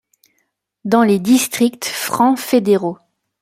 Dans les districts francs fédéraux.